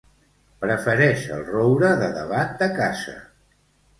Prefereix el roure de davant de casa.